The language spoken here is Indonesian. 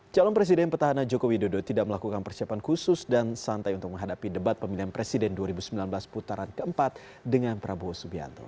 calon presiden petahana joko widodo tidak melakukan persiapan khusus dan santai untuk menghadapi debat pemilihan presiden dua ribu sembilan belas putaran keempat dengan prabowo subianto